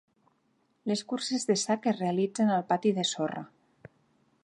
Les curses de sac es realitzen al pati de sorra.